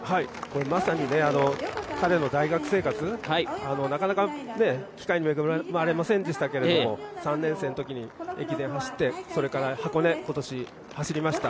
まさに彼の大学生活、なかなか機会に恵まれませんでしたけども、３年生のときに駅伝を走って、それから今年の箱根走りました。